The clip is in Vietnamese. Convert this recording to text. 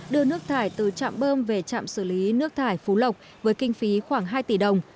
đưa nước thải từ trạm bơm về trạm xử lý nước thải phú lộc với kinh phí khoảng hai tỷ đồng